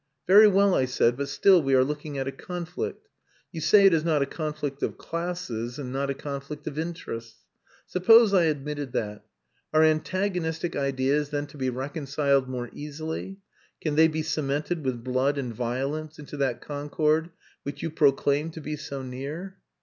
"Very well," I said. "But still we are looking at a conflict. You say it is not a conflict of classes and not a conflict of interests. Suppose I admitted that. Are antagonistic ideas then to be reconciled more easily can they be cemented with blood and violence into that concord which you proclaim to be so near?"